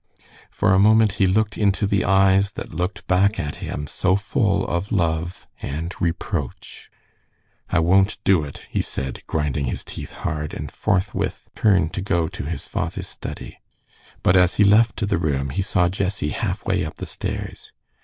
For a moment he looked into the eyes that looked back at him so full of love and reproach. "I won't do it," he said, grinding his teeth hard, and forthwith turned to go to his father's study. But as he left the room he saw Jessie half way up the stairs.